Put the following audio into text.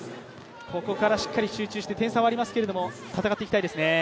ここからしっかり集中して点差はありますけれども戦っていきたいですね。